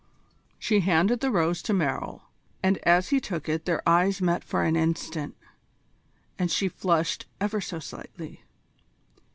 She handed the rose to Merrill, and as he took it their eyes met for an instant, and she flushed ever so slightly.